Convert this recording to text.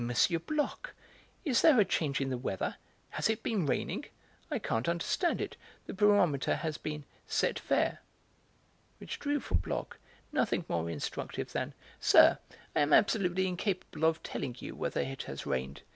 Bloch, is there a change in the weather; has it been raining? I can't understand it; the barometer has been 'set fair.'" Which drew from Bloch nothing more instructive than "Sir, I am absolutely incapable of telling you whether it has rained.